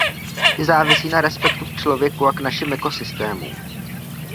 Ty závisí na respektu k člověku a k našim ekosystémům.